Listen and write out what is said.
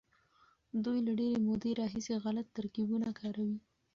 دوی له ډېرې مودې راهيسې غلط ترکيبونه کاروي.